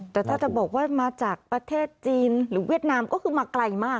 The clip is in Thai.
แต่ถ้าจะบอกว่ามาจากประเทศจีนหรือเวียดนามก็คือมาไกลมาก